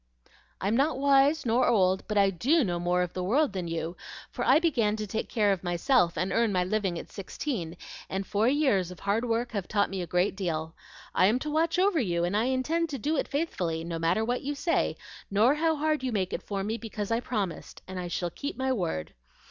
"I'm not wise nor old, but I DO know more of the world than you, for I began to take care of myself and earn my living at sixteen, and four years of hard work have taught me a great deal. I am to watch over you, and I intend to do it faithfully, no matter what you say, nor how hard you make it for me; because I promised, and I shall keep my word.